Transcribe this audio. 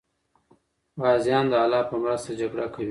غازیان د الله په مرسته جګړه کوي.